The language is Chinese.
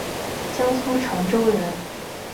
江苏长洲人。